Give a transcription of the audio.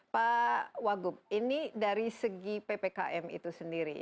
pak wagub ini dari segi ppkm itu sendiri